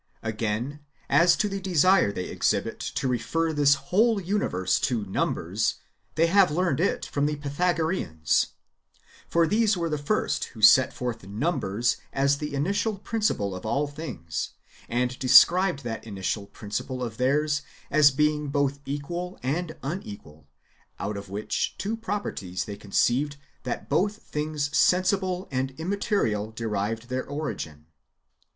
Aixain, as to the desire they exhibit to refer this whole universe to numbers, they have learned it from the Pytha goreans. For these were the first who set forth numbers as the initial principle of all things, and [described] that initial principle of theirs as being both equal and unequal, out of which [two properties] they conceived that both things sensible^ and immaterial derived their origin.